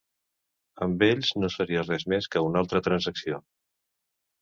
Amb ells, no seria res més que una altra transacció.